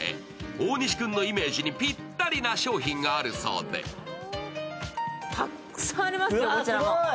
大西君のイメージにぴったりな商品があるそうでたくさんあります。